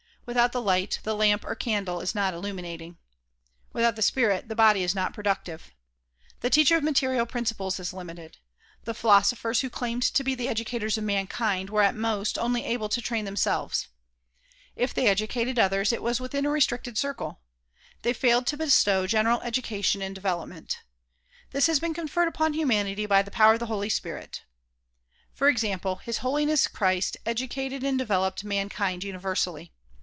Without the light, the lamp or candle is not illuminating. Without the spirit, the body is not productive. The teacher of material principles is limited. The philosophers who claimed to be the educators of mankind were at most only able to DISCOURSES DELIVERED IN NEW YORK 201 train themselves. If they educated others it was within a restricted circle; they failed to bestow general education and development. This has been conferred upon humanity by the power of the Holy Spirit. For example, His Holiness Christ educated and developed man kind universally.